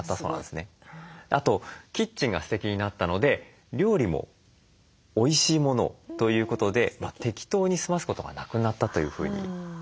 あとキッチンがステキになったので料理もおいしいものをということで適当に済ますことがなくなったというふうにおっしゃっていました。